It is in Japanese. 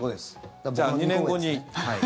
じゃあ２年後に。